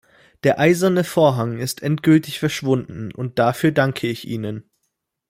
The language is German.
Der Eiserne Vorhang ist endgültig verschwunden, und dafür danke ich Ihnen.